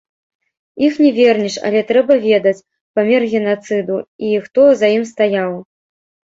Іх не вернеш, але трэба ведаць памер генацыду і хто за ім стаяў.